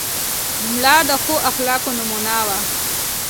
مړه د ښو اخلاقو نمونه وه